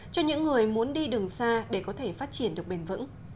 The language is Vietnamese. cho những người muốn đi đường xa để có thể phát triển được bền vững